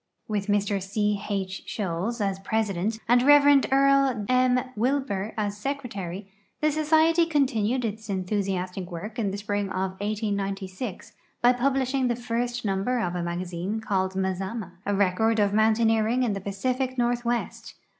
With Mr C. H. Sholes as president and Rev. Earl M. Wilbur as secre tary, the society continued its enthusiastic work in the spring of 1896 by publishing the first number of a magazine called Mazama, a record of mountaineering In the Pacific northwest.